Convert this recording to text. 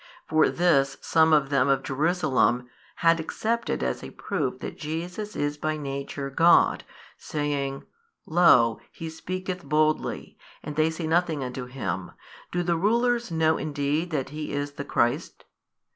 For this some of them of Jerusalem had accepted as a proof that Jesus is by Nature God, saying, Lo, He speaketh boldly, and they say nothing unto Him: do the rulers know indeed that He is the Christ?